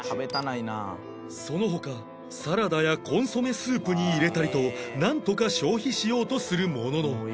その他サラダやコンソメスープに入れたりとなんとか消費しようとするものの